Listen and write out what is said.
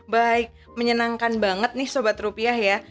baik menyenangkan banget nih sobat rupiah ya